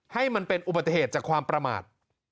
ให้มันเป็นอุบัติเหตุจากความประมาท